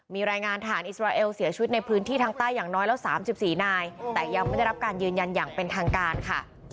มีรายงานฐานอิสราเอลเสียชีวิตในพื้นที่ทางใต้อย่างน้อยแล้ว๓๔นายแต่ยังไม่ได้รับการยืนยันอย่างเป็นทางการค่ะ